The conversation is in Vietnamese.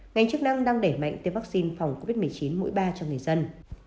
ngành chức năng đang đẩy mạnh tiêm vaccine phòng covid một mươi chín mũi ba cho người dân